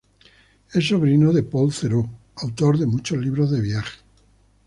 Es sobrino de Paul Theroux, autor de muchos libros de viajes.